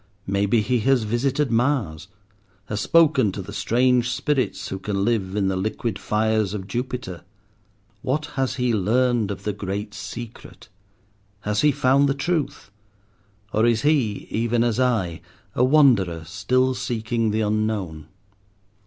Maybe he has visited Mars; has spoken to the strange spirits who can live in the liquid fires of Jupiter. What has he learned of the great secret? Has he found the truth? or is he, even as I, a wanderer still seeking the unknown?